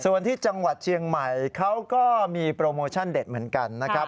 ส่วนที่จังหวัดเชียงใหม่เขาก็มีโปรโมชั่นเด็ดเหมือนกันนะครับ